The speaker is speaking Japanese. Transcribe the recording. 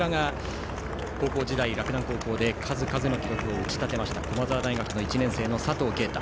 高校時代、洛南高校で数々の記録を打ち立てました駒沢大学１年生の佐藤圭汰。